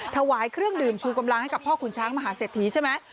ถวายเครื่องดื่มชูกำลังให้กับพ่อขุนช้างมหาเศรษฐีใช่ไหม